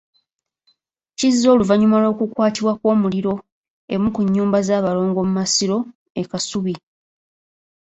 Kizze oluvannyuma lw'okukwatibwa kw'omuliro emu ku nnyumba z'abalongo mu Masiro e Kasubi.